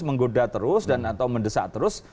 menggoda terus dan atau mendesak terus